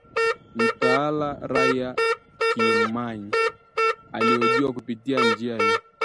Mtaalamu Rayya Timmamy alihojiwa kupitia njia hii